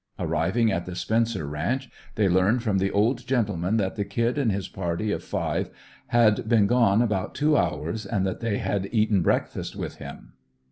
Arriving at the Spencer ranch they learned, from the old gentleman, that the "Kid" and his little party of five had been gone about two hours, and that they had eaten breakfast with him.